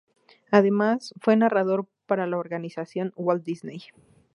Además fue narrador para la organización Walt Disney.